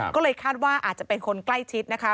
ก็เลยคาดว่าอาจจะเป็นคนใกล้ชิดนะคะ